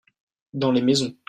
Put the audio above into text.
Dans les maisons.